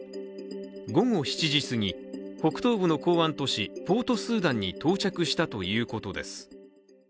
午後７時すぎ、北東部の港湾都市、ポートスーダンに到着したということです。